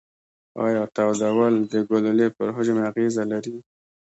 ایا تودول د ګلولې پر حجم اغیزه لري؟